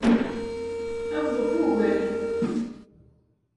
Awḍet ugar.